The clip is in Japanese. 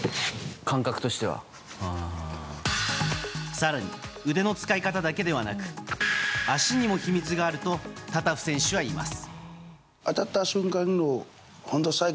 更に、腕の使い方だけではなく足にも秘密があるとタタフ選手は言います。